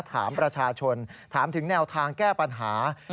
ถามประชาชนถามถึงแนวทางแก้ปัญหา